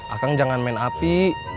akang jangan main api